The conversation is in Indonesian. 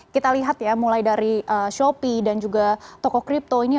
kita lihat ya mulai dari shopee dan juga toko kripto ini